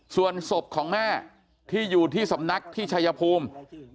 ส่วนศพของแม่ที่อยู่ที่สำนักที่ชายภูมิ